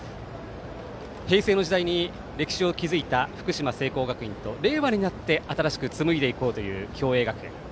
平成の時代に歴史を築いた福島・聖光学院と令和になって新しくつむいでいこうという共栄学園。